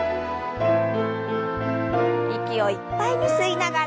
息をいっぱいに吸いながら。